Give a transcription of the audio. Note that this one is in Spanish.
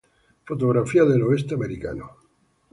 Fotografías del Oeste Americano